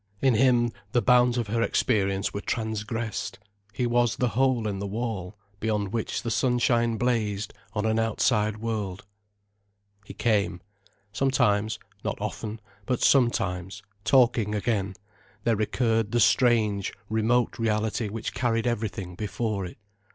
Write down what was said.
In him the bounds of her experience were transgressed: he was the hole in the wall, beyond which the sunshine blazed on an outside world. He came. Sometimes, not often, but sometimes, talking again, there recurred the strange, remote reality which carried everything before it.